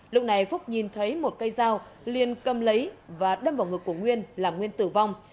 lúc này phúc nhìn thấy một cây dao liên cầm lấy và đâm vào ngực của nguyên làm nguyên tử vong